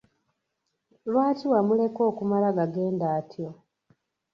Lwaki wamuleka okumala gagenda atyo?